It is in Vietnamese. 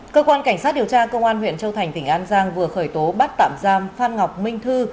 cơ quan cảnh sát điều tra công an huyện châu thành tỉnh an giang vừa khởi tố bắt tạm giam phan ngọc minh thư